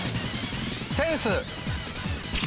センス。